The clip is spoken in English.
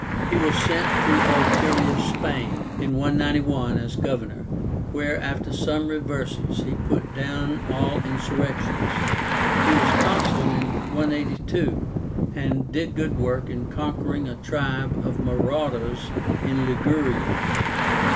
He was sent to Ulterior Spain in 191 as governor, where, after some reverses, he put down all insurrections. He was Consul in 182, and did good work in conquering a tribe of marauders in Liguria.